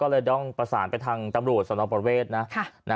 ก็เลยต้องประสานไปทางตำรวจสนประเวทนะ